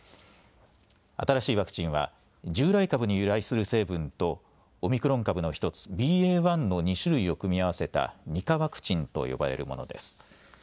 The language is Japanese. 新しいワクチンは従来株に由来する成分とオミクロン株の１つＢＡ．１の２種類を組み合わせた２価ワクチンと呼ばれるものです。